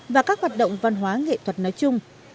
và các hoạt động văn hóa nghệ thuật nói chung